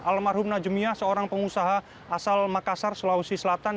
almarhum najemiah seorang pengusaha asal makassar sulawesi selatan